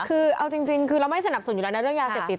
คือเอาจริงคือเราไม่สนับสนุนอยู่แล้วนะเรื่องยาเสพติด